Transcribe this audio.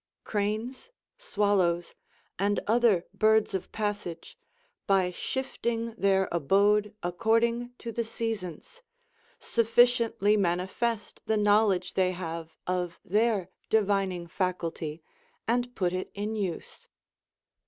Cranes, swallows, and other birds of passage, by shifting their abode according to the seasons, sufficiently manifest the knowledge they have of their divining faculty, and put it in use.